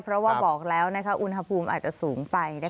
เพราะว่าบอกแล้วอุณหภูมิอาจจะสูงไป